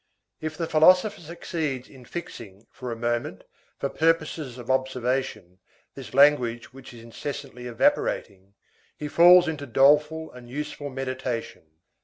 If the philosopher succeeds in fixing, for a moment, for purposes of observation, this language which is incessantly evaporating, he falls into doleful and useful meditation.